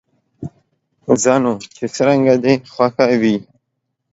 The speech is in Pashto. ځه نو، چې څرنګه دې خوښه وي.